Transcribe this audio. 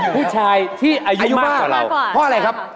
ผู้ชายที่อายุมากกว่าเพราะอะไรครับ